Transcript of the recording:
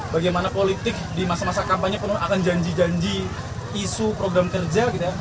bagaimana politik di masa masa kampanye akan janji janji isu program kerja gitu ya